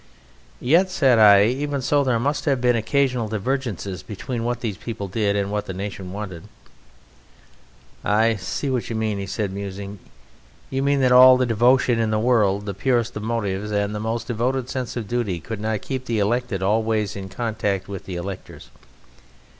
"Yet," said I, "even so there must have been occasional divergences between what these people did and what the nation wanted." "I see what you mean," he said, musing, "you mean that all the devotion in the world, the purest of motives and the most devoted sense of duty, could not keep the elected always in contact with the electors.